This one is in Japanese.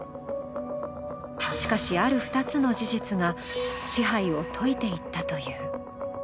しかし、ある２つの事実が支配を解いていったという。